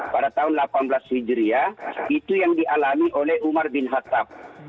pada tahun seribu delapan belas hijriah itu yang dialami oleh umar bin khattab